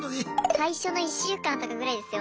最初の１週間とかぐらいですよ。